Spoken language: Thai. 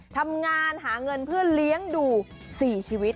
ทำงานหาเงินเพื่อเลี้ยงดู๔ชีวิต